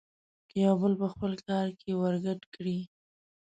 که يو بل په خپل کار کې ورګډ کړي.